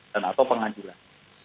dan atau pengajilan